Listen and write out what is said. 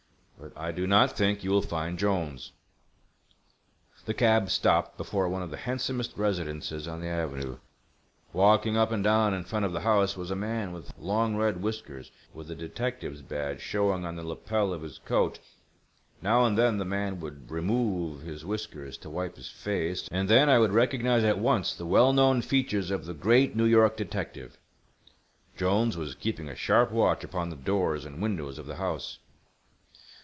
"But I do not think you will find Jolnes." The cab stopped before one of the handsomest residences on the avenue. Walking up and down in front of the house was a man with long red whiskers, with a detective's badge showing on the lapel of his coat. Now and then the man would remove his whiskers to wipe his face, and then I would recognize at once the well known features of the great New York detective. Jolnes was keeping a sharp watch upon the doors and windows of the house.